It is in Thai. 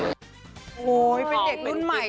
โอ้โหเป็นเด็กรุ่นใหม่